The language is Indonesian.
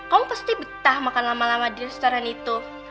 kamu pasti betah makan lama lama di restoran itu